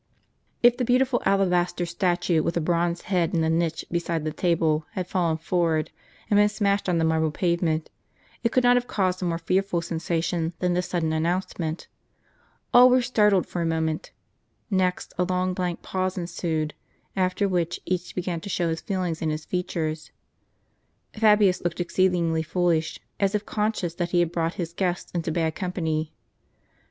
" If the beautiful alabaster statue, with a bronze head, in the niche beside the table, had fallen forward, and been smashed on the marble pavement, it could not have caused a more fearful sensation than this sudden announcement. All were startled for a moment. Next, a long blank pause ensued, after which, each began to show his feelings in his features. Fabius looked exceedingly foolish, as if conscious that he had brought his guests into bad company.